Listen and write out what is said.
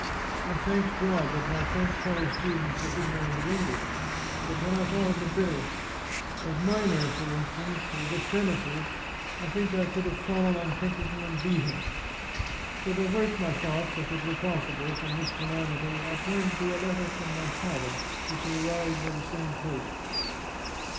I thanked God that my French fellow students were ignorant of English; but when I thought of the British of Myner (for instance) or the Stennises I think I could have fallen on Pinkerton and beat him. To divert my thoughts (if it were possible) from this calamity, I turned to a letter from my father which had arrived by the same post.